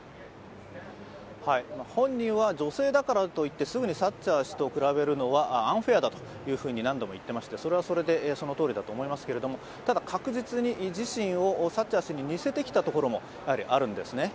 本人は女性だからといってすぐにサッチャー氏と比べるのはアンフェアだというふうに何度も言っていましてそれはそのとおりだと思いますけれどもただ確実に自身をサッチャー氏に似せてきたところもやはりあるんですね。